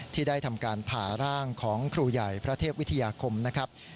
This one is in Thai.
ที่ได้ทำการผ่าร่างของครูใหญ่พระเทพวิทยาคมนะครับ